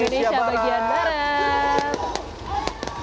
indonesia bagian barat